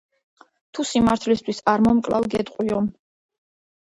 თუ სიმართლისთვის არ მომკლავ, გეტყვიო.